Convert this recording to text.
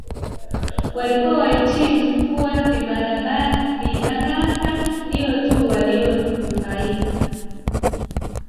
Waliokuwa wahitimu kuwa vibaraka ndio tu walionufaika